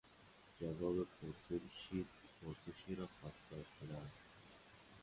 جواب پرسشی را خواستار شدن